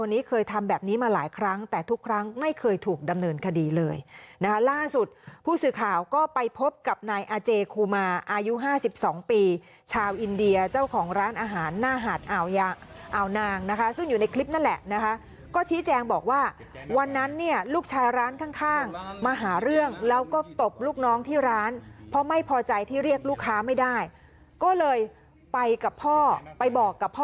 นี้เคยทำแบบนี้มาหลายครั้งแต่ทุกครั้งไม่เคยถูกดำเนินคดีเลยนะคะล่าสุดผู้สื่อข่าวก็ไปพบกับนายอาเจคูมาอายุห้าสิบสองปีชาวอินเดียเจ้าของร้านอาหารหน้าหาดอ่าวนางนะคะซึ่งอยู่ในคลิปนั่นแหละนะคะก็ชี้แจงบอกว่าวันนั้นเนี่ยลูกชายร้านข้างข้างมาหาเรื่องแล้วก็ตบลูกน้องที่ร้านเพราะไม่พอใจที่เรียกลูกค้าไม่ได้ก็เลยไปกับพ่อไปบอกกับพ่อ